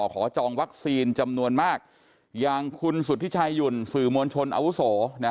จองวัคซีนจำนวนมากอย่างคุณสุธิชายหยุ่นสื่อมวลชนอาวุโส